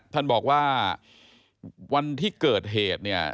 ท่านบอกว่าวันที่เกิดเหตุเนี่ย